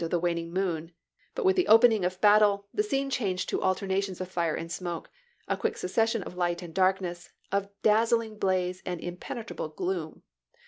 of the waning moon ; but with the opening of battle the scene changed to alternations of fire and smoke, a quick succession of light and darkness — of dazzling blaze and impenetrable gloom.